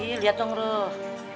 iya lihat dong ruh